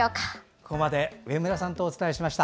ここまで上村さんとお伝えしました。